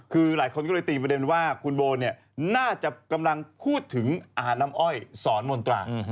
คือหลายคนก็เลยตีประเด็นว่าคุณโบเนี่ยน่าจะกำลังพูดถึงอาหารน้ำอ้อยสอนมนตรา